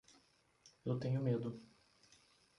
Eu tenho medo.